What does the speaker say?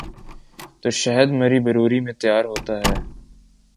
جو شہد مری بروری میں تیار ہوتا ہے۔